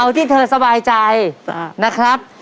เอาที่เธอสบายใจนะครับ